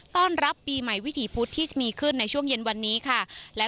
ต้อนรับปีใหม่วิถีพุธที่จะมีขึ้นในช่วงเย็นวันนี้ค่ะ